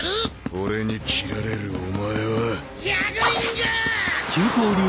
俺に斬られるお前はジャグリング！